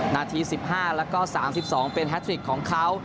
นาที๑๕แล้วก็๓๒เป็นแฮทริกของเขา